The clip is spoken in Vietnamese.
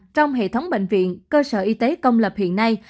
trong hệ thống bệnh viện cơ sở y tế công lập hiện nay